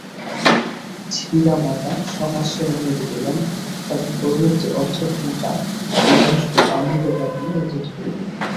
ধীরামাতা সহাস্যে অনুমতি দিলেন, এবং পরবর্তী অর্ধঘণ্টা উল্লাস ও আনন্দ-জ্ঞাপনে অতীত হইল।